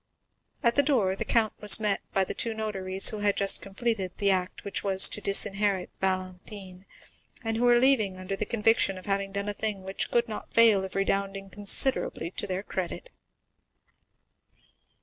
At the door the count was met by the two notaries, who had just completed the act which was to disinherit Valentine, and who were leaving under the conviction of having done a thing which could not fail of redounding considerably to their credit.